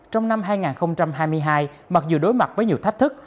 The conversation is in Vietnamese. trong năm hai nghìn hai mươi hai mặc dù đối mặt với nhiều thách thức